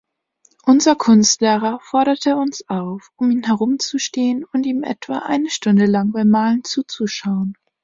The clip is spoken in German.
Unser Kunstlehrer forderte uns auf, um ihn herum zu stehen und ihm etwa eine Stunde lang beim Malen zuzuschauen.